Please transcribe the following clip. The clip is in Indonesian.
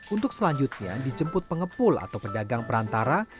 untuk selanjutnya dijemput pengepul atau pedagang perantara